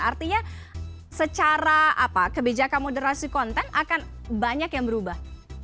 artinya secara kebijakan moderasi konten akan banyak yang berubah